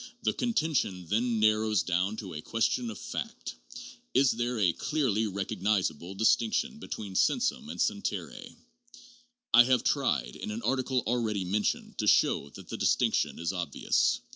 The contention then narrows down to a question of fact : Is there a clearly recognizable distinction* between sensum and sentire? I have tried, in an article already mentioned, to show that the distinction is obvious.